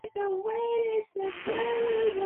Kifo kati ya siku baada ya mnyama huyo kuanguka